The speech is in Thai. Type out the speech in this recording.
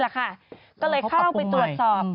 ก็เลยเข้าไปตรวจสอบ